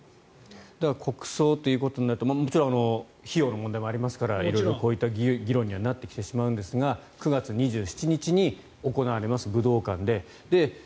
だから国葬ということになるともちろん費用の問題もありますからこういった議論にはなってきてしまうんですが９月２７日に行われます武道館で。